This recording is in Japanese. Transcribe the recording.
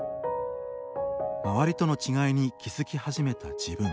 周りとの違いに気付き始めた自分。